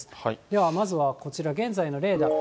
ではまずはこちら、現在のレーダー。